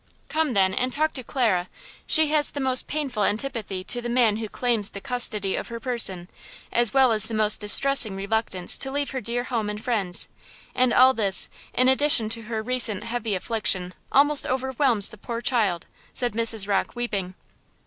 "Come, then, and talk to Clara. She has the most painful antipathy to the man who claims the custody of her person, as well as the most distressing reluctance to leaving her dear home and friends; and all this, in addition to her recent heavy affliction, almost overwhelms the poor child," said Mrs. Rocke, weeping.